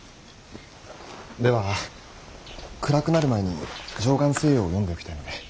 では暗くなる前に「貞観政要」を読んでおきたいので。